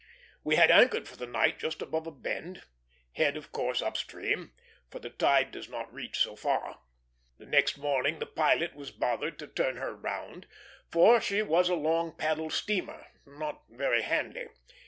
We had anchored for the night just above a bend, head of course up stream, for the tide does not reach so far. The next morning the pilot was bothered to turn her round, for she was a long paddle steamer, not very handy.